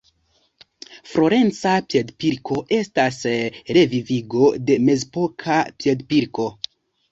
Florenca piedpilko estas revivigo de mezepoka piedpilko.